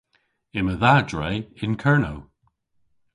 Yma dha dre yn Kernow.